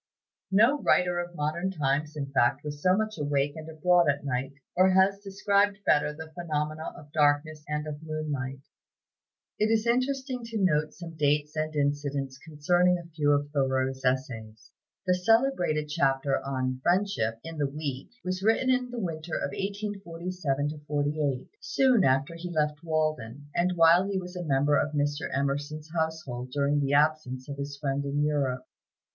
No writer of modern times, in fact, was so much awake and abroad at night, or has described better the phenomena of darkness and of moonlight. It is interesting to note some dates and incidents concerning a few of Thoreau's essays. The celebrated chapter on "Friendship," in the "Week," was written in the winter of 1847 48, soon after he left Walden, and while he was a member of Mr. Emerson's household during the absence of his friend in Europe.